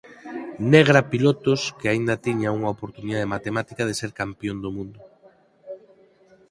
Negra pilotos que aínda tiñan unha oportunidade matemática de ser Campión do Mundo.